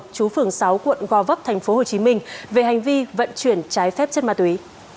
chú phường sáu quận gò vấp tp hcm về hành vi vận chuyển trái phép chất ma túy